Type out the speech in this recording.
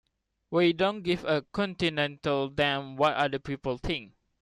We don't give a continental damn what other people think.